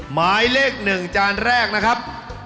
หมายเลข๑จานแรกนะครับ